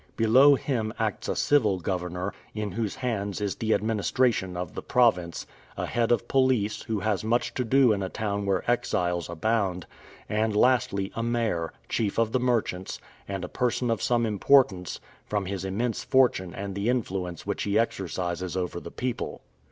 Below him acts a civil governor, in whose hands is the administration of the province; a head of police, who has much to do in a town where exiles abound; and, lastly, a mayor, chief of the merchants, and a person of some importance, from his immense fortune and the influence which he exercises over the people.